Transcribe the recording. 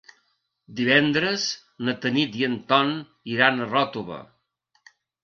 Divendres na Tanit i en Ton iran a Ròtova.